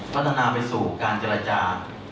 วัฒนาไปสู่การรักษา